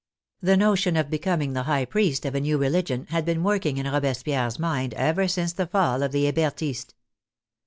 The notion of becoming the high priest of a new re ligion had been working in Robespierre's mind ever since the fall of the Hebertists.